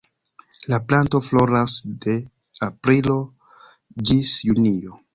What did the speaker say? La planto floras de aprilo ĝis junio.